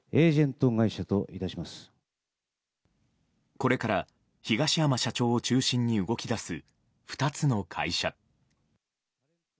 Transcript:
これから東山社長を中心に動き出す、２つの会社。